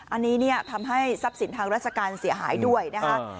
อันนี้ทำให้ทรัพย์สินทางราชการเสียหายด้วยนะคะ